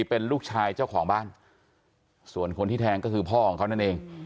เป็นลูกชายเจ้าของบ้านส่วนคนที่แทงก็คือพ่อของเขานั่นเอง